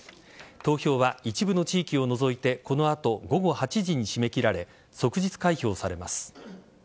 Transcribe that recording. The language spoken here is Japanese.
投票は一部の地域を除いてこの後、午後８時に締め切られ即日開票されます。